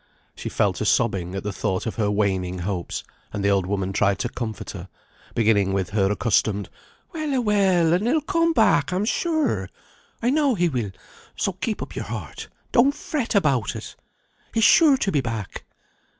She fell to sobbing at the thought of her waning hopes, and the old woman tried to comfort her, beginning with her accustomed, "Well a well! and he'll come back, I'm sure. I know he will; so keep up your heart. Don't fret about it. He's sure to be back."